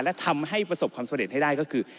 และทำให้ประสบความสำเร็จให้ได้ก็คือ